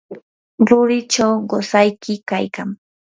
rurichaw qusayki kaykan.